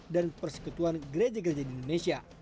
dan persekutuan gereja gereja di indonesia